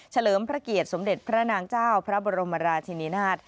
เลิมพระเกียรติสมเด็จพระนางเจ้าพระบรมราชินินาศ